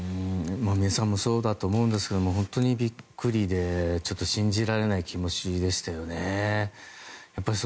皆さんそうだと思いますが本当にビックリで信じられない気持ちでしたよね。